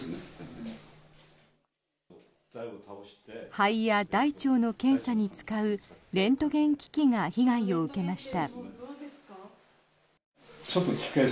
肺や大腸の検査に使うレントゲン機器が被害を受けました。